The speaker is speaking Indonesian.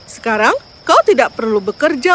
sekarang kau tidak perlu bekerja